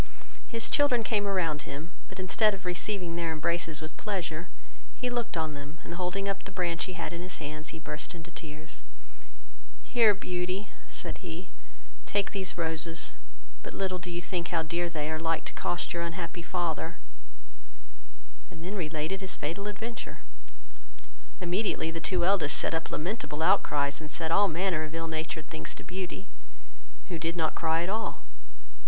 His children came around him, but, instead of receiving their embraces with pleasure, he looked on them, and, holding up the branch he had in his hands, he burst into tears. "Here, Beauty, (said he,) take these roses; but little do you think how dear they are like to cost your unhappy father;" and then related his fatal adventure: immediately the two eldest set up lamentable outcries, and said all manner of ill natured things to Beauty, who did not cry at all.